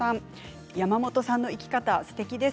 やまもとさんの生き方すてきです。